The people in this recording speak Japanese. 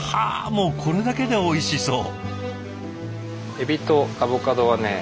もうこれだけでおいしそう。